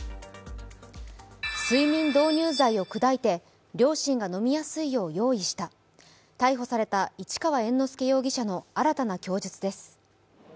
睡眠導入剤を砕いて両親が飲みやすいよう用意した、逮捕された市川猿之助容疑者の新たな供述です。